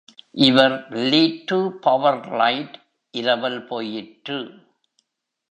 இவர் lid PowerLite இரவல் போயிற்று.